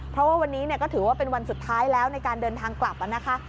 เพราะว่าวันนี้ก็ถือว่าเป็นวันสุดท้ายแล้วในการเดินทางกลับนะคะ